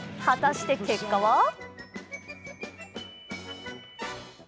果たして結果は？